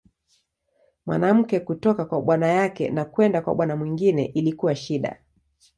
Mwanamke kutoka kwa bwana yake na kwenda kwa bwana mwingine ilikuwa shida.